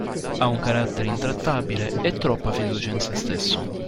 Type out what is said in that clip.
Ha un carattere intrattabile e troppa fiducia in sé stesso.